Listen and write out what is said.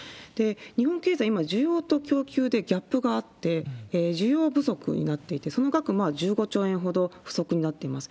日本経済、今、需要と供給でギャップがあって、需要不足になっていて、その額、１５兆円ほど不足になってます。